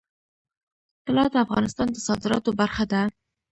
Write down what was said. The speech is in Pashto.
طلا د افغانستان د صادراتو برخه ده.